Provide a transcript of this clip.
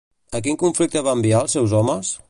A quin conflicte va enviar els seus homes?